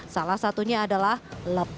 salah satunya adalah lansia